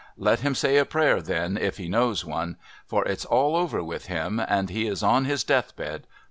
Let him say a prayer then, if he knows one, for it's all over with him, and he is on his Death bed.